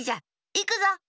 いくぞ。